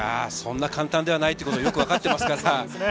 そんなに簡単ではないということがよく分かっていますから。